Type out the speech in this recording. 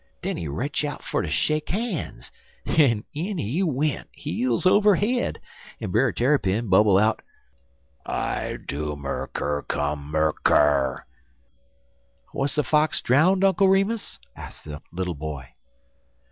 Den he retch out fer ter shake han's, en in he went, heels over head, en Brer Tarrypin bubble out: "'I doom er ker kum mer ker!"' "Was the Fox drowned, Uncle Remus?" asked the little boy.